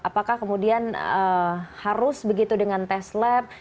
apakah kemudian harus begitu dengan tes lab